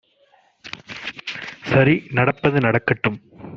சரி நடப்பது நடக்கட்டும்